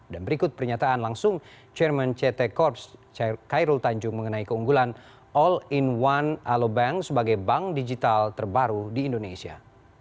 dan berikut pernyataan langsung chairman ct corp kairul tanjung mengenai keunggulan all in one alobank sebagai bank digital terbaru di indonesia